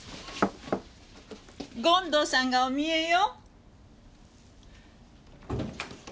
権藤さんがお見えよ。